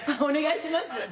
お願いします。